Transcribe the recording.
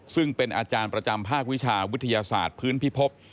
ซึ่งเป็นอาจารย์ประจำภาควิชาวิทยาศาสตร์พื้นพิภพ